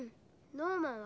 ノーマンは？